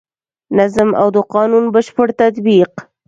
نظم او د قانون بشپړ تطبیق.